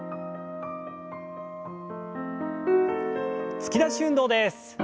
突き出し運動です。